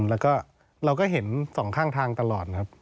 แล้วก็เราก็เห็นสองข้างทางตลอดครับ